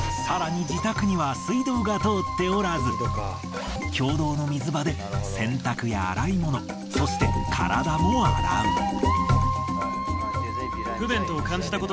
更に自宅には水道が通っておらず共同の水場で洗濯や洗い物そして体も洗う。